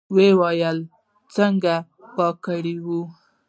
ویالې څنګه پاکې کړو؟